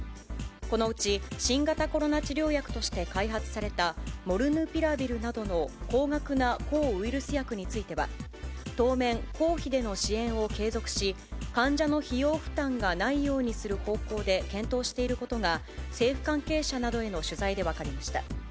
このうち新型コロナ治療薬として開発された、モルヌピラビルなどの高額な抗ウイルス薬については、当面、公費での支援を継続し、患者の費用負担がないようにする方向で検討していることが、政府関係者などへの取材で分かりました。